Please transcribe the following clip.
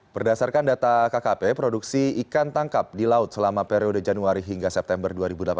berdasarkan data kkp produksi ikan tangkap di laut selama periode januari hingga september dua ribu delapan belas